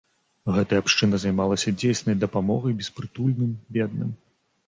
Гэтая абшчына займалася дзейснай дапамогай беспрытульным, бедным.